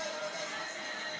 hi ho terima kasih